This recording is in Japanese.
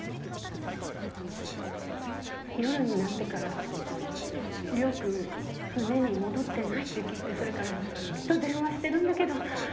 夜になってから亮君船に戻ってないって聞いてそれからずっと電話してるんだけど出ないのよ。